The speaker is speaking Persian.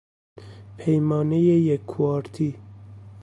پیمانهی یک کوارتی